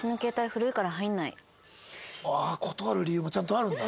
ああ断る理由もちゃんとあるんだ。